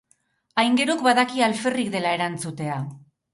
Aingeruk badaki alferrik dela erantzutea.